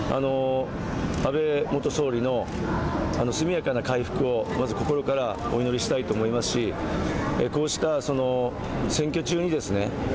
安倍元総理の速やかな回復を、まず心からお祈りしたいと思いますしこうした、その選挙中にですね。